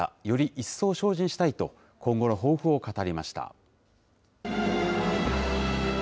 より一層精進したいと、今後の抱負を語りました。